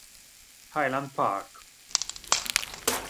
Highland Park